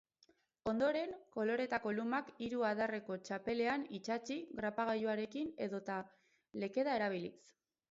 Ondoren, koloretako lumak hiru adarreko txapelean itsatsi grapagailuarekin edota, lekeda erabiliz.